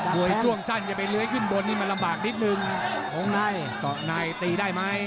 วยช่วงสั้นจะไปเลื้อยขึ้นบนนี่มันลำบากนิดนึงวงในเกาะในตีได้ไหม